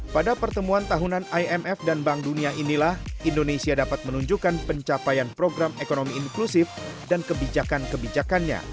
pada pertemuan tahunan imf dan bank dunia inilah indonesia dapat menunjukkan pencapaian program ekonomi inklusif dan kebijakan kebijakannya